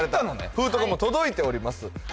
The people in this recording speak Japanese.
封筒がもう届いております